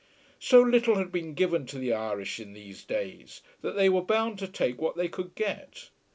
So little had been given to the Irish in these days, that they were bound to take what they could get.